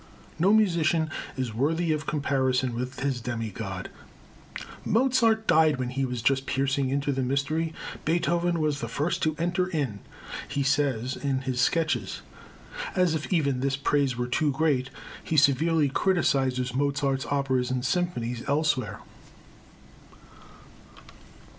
No musician is worthy of comparison with his demigod. "Mozart died when he was just piercing into the mystery. Beethoven was the first to enter in," he says in his Sketches. As if even this praise were too great, he severely criticises Mozart's operas and symphonies elsewhere.